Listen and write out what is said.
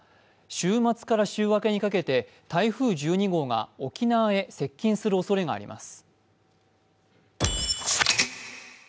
週末から週明けにかけて台風１２号が沖縄へ接近するおそれがあります。